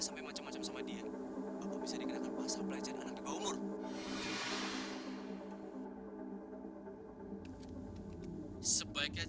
sampai jumpa di video selanjutnya